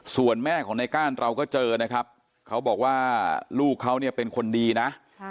ส่วนแม่ของในก้านเราก็เจอนะครับเขาบอกว่าลูกเขาเนี่ยเป็นคนดีนะ